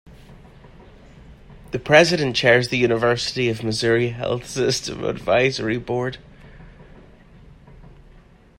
The president chairs the University of Missouri Health System advisory board.